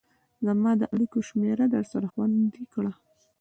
زما د اړيكو شمېره درسره خوندي کړئ